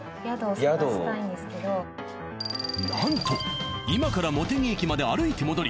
なんと今から茂木駅まで歩いて戻り